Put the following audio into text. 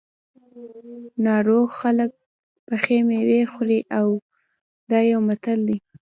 ناروغ خلک پخې مېوې خوري دا یو متل دی.